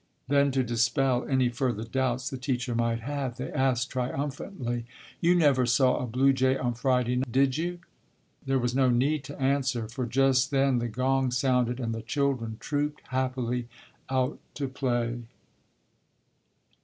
Then, to dispel any further doubts the teacher might have, they asked triumphantly, "You never saw a blue jay on Friday, did you?" There was no need to answer, for just then the gong sounded and the children trooped happily out to play.